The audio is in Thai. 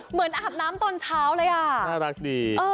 อาบน้ำตอนเช้าเลยอ่ะน่ารักดี